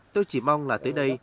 tôi chỉ mong là tới đây